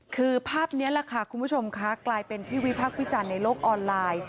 คือภาพนี้แหละค่ะคุณผู้ชมค่ะกลายเป็นที่วิพักษ์วิจารณ์ในโลกออนไลน์